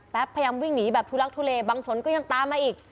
พยายามวิ่งหนีแบบทุลักทุเลบางสนก็ยังตามมาอีก